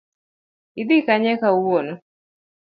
Idhi Kanye kawuono?